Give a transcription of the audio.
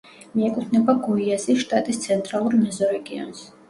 მიეკუთვნება გოიასის შტატის ცენტრალურ მეზორეგიონს.